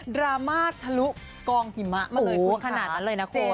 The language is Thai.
ดราม่าทะลุกองหิมะมาเลยทั่วขนาดนั้นเลยนะคุณ